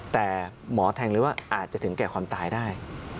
แต่หมอแทงเลยว่าอาจจะถึงแก่ความตายได้